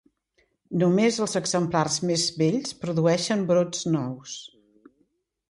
Només els exemplars més vells produeixen brots nous.